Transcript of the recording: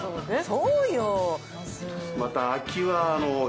そうよ。